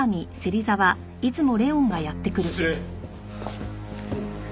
失礼。